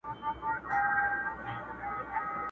د خپل خیال قبر ته ناست یم خپل خوبونه ښخومه!